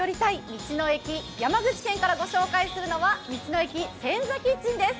道の駅、山口県からご紹介するのは道の駅センザキッチンです。